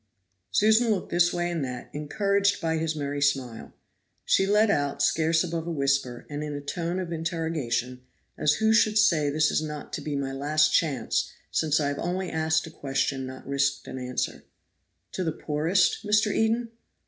Susan looked this way and that, encouraged by his merry smile. She let out scarce above a whisper, and in a tone of interrogation, as who should say this is not to be my last chance since I have only asked a question not risked an answer "To the poorest, Mr. Eden?"